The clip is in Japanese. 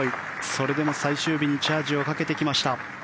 それでも最終日にチャージをかけてきました。